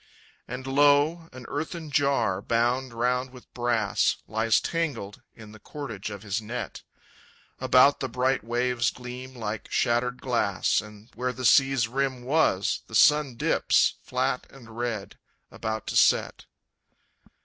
And lo! an earthen jar, bound round with brass, Lies tangled in the cordage of his net. About the bright waves gleam like shattered glass, And where the sea's rim was The sun dips, flat and red, about to set.